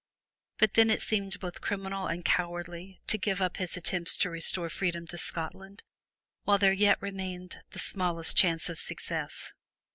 But then it seemed both criminal and cowardly to give up his attempts to restore freedom to Scotland while there yet remained the smallest chance of success.